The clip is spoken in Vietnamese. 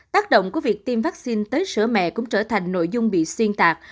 tác động của việc tiêm vaccine tới sữa mẹ cũng trở thành nội dung bị xuyên tạc